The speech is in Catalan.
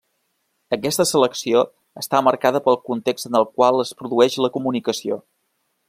Aquesta selecció està marcada pel context en el qual es produeix la comunicació.